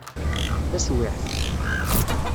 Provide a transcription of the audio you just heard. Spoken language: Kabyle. Taswiɛt.